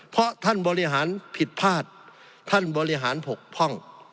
เพราะท่านบริหารผิดพลาดท่านบริหารผกพร่อง